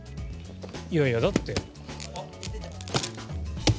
いやいやだって。